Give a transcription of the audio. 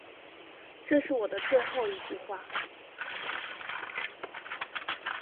这是我的最后一句话